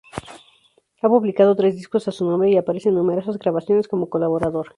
Ha publicado tres discos a su nombre, y aparece en numerosas grabaciones como colaborador.